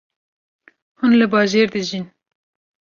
Hûn li bajêr dijîn